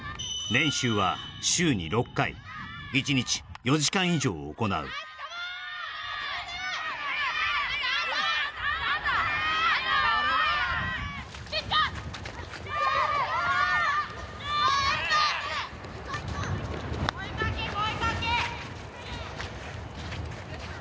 練習は週に６回１日４時間以上行うそこ